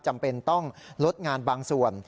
จำเป็นต้องลดงานบางส่วน